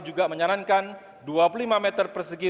juga menyarankan dua puluh lima meter persegi